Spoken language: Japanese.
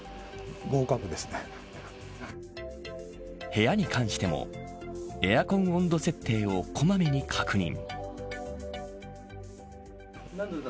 部屋に関してもエアコン温度設定をこまめに確認。